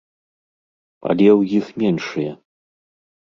Але ў іх меншыя.